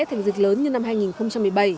thành dịch lớn như năm hai nghìn một mươi bảy